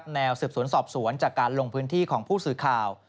แนวสืบสวนสอบสวนจากการลงพื้นที่ของผู้สื่อข่าว